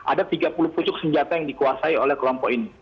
ada tiga puluh pucuk senjata yang dikuasai oleh kelompok ini